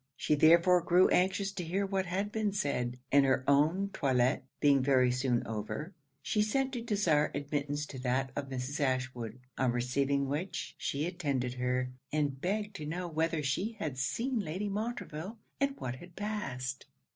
She therefore grew anxious to hear what had been said; and her own toilet being very soon over, she sent to desire admittance to that of Mrs. Ashwood; on receiving which, she attended her, and begged to know whether she had seen Lady Montreville, and what had passed?